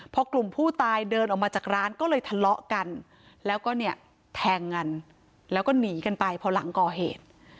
พอกลุ่มผู้ตายเดินออกมาจากร้านก็เลยทะเลาะกันแล้วก็เนี่ยแทงกันแล้วก็หนีกันไปพอหลังก่อเหตุ